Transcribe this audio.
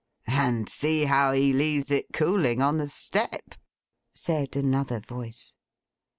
'And see how he leaves it cooling on the step!' said another voice.